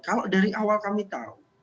kalau dari awal kami tahu